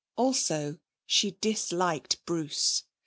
Also, she disliked Bruce.